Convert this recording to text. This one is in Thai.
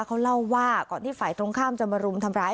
เขาเล่าว่าก่อนที่ฝ่ายตรงข้ามจะมารุมทำร้าย